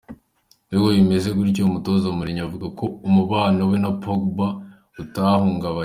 Nubwo bimeze gutyo, umutoza Mourinho avuga ko umubano we na Pogba utahungabanye.